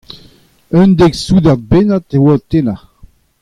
Un dek soudard bennak a oa o tennañ.